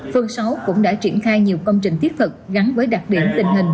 phương sáu cũng đã triển khai nhiều công trình thiết thực gắn với đặc điểm tình hình